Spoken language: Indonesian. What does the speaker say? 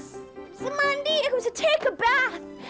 bisa mandi aku bisa take a bath